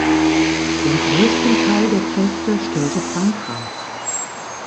Den größten Teil der Kräfte stellte Frankreich.